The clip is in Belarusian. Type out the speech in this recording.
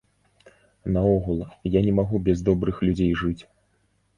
Наогул, я не магу без добрых людзей жыць.